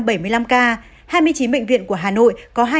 hai mươi chín bệnh viện của hà nội có hai bảy mươi bốn ca